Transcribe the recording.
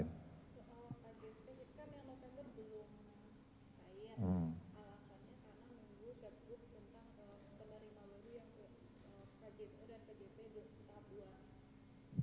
yang ke kjp dan kjp